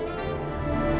kau menyebabkan kejahatan